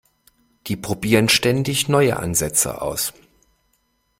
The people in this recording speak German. Die probieren ständig neue Ansätze aus.